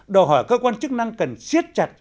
đòi hỏi cơ quan chức năng cần siết chặt